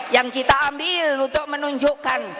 yang kita ambil untuk menunjukkan